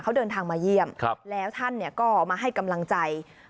เขาเดินทางมาเยี่ยมแล้วท่านก็มาให้กำลังใจ